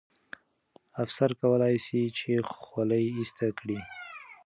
افسر کولای سي چې خولۍ ایسته کړي.